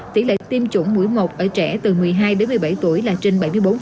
tỷ lệ tiêm chủng mũi một ở trẻ từ một mươi hai đến một mươi bảy tuổi là trên bảy mươi bốn